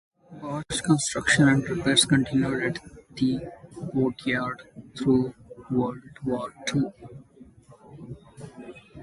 Barge construction and repairs continued at the boatyard through World War Two.